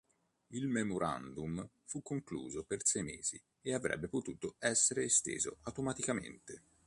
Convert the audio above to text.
Il memorandum fu concluso per sei mesi e avrebbe potuto essere esteso automaticamente.